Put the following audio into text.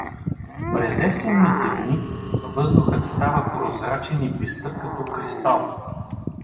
През есенните дни въздухът става прозрачен и бистър, като кристал.